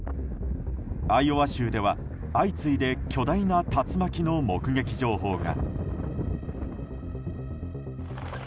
アイオワ州では、相次いで巨大な竜巻の目撃情報が。